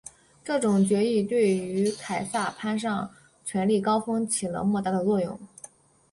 这种议决对于凯撒攀上权力高峰起了莫大的作用。